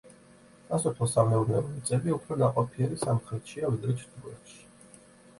სასოფლო-სამეურნეო მიწები უფრო ნაყოფიერი სამხრეთშია, ვიდრე ჩრდილოეთში.